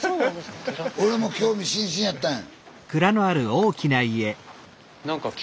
俺も興味津々やったんや。